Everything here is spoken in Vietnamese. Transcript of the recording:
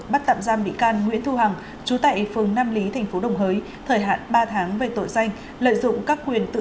bắt tạm giam bị can nguyễn thu hằng chú tại phương nam lý tp đồng hới thời hạn ba tháng về tội danh